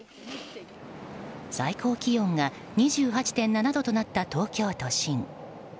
最高気温が２８．７度となった東京都心。